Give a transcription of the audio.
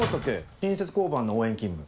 隣接交番の応援勤務。